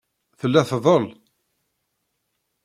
Tella tdel.